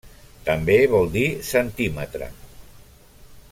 També vol dir centímetre.